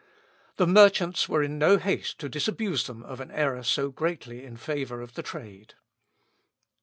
The merchants were in no haste to disabuse them of an error so greatly in favour of the trade.